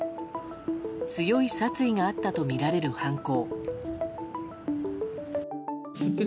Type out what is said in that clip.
強い殺意があったとみられる犯行。